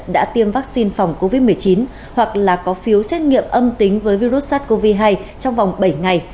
đã tiêm vaccine phòng covid một mươi chín hoặc là có phiếu xét nghiệm âm tính với virus sars cov hai trong vòng bảy ngày